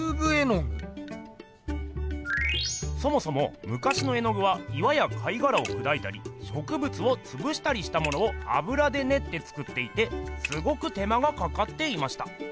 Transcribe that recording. そもそもむかしの絵具は岩や貝がらをくだいたりしょくぶつをつぶしたりしたものをあぶらでねって作っていてすごく手間がかかっていました。